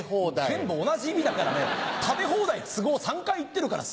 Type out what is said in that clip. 全部同じ意味だからね食べ放題３回行ってるから。